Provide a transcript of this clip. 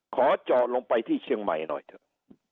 ขอเจาะลงไปที่เชียงใหม่หน่อยเถอะ